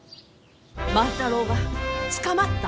万太郎が捕まった？